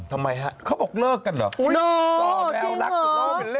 ทำไมฮะเขาบอกเลิกกันเหรอต่อแล้วจริงเหรอ